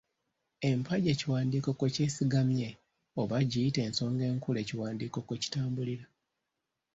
Eempagi ekiwandiiko kwe kyesigamye oba giyite ensonga enkulu ekiwandiiko kwe kitambulira.